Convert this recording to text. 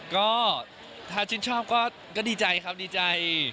ก็ถ้าชื่นชอบก็ดีใจครับดีใจ